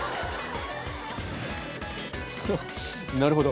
なるほど。